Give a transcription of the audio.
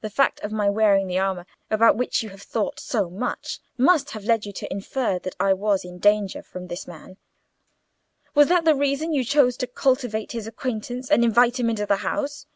The fact of my wearing the armour, about which you seem to have thought so much, must have led you to infer that I was in danger from this man. Was that the reason you chose to cultivate his acquaintance and invite him into the house?"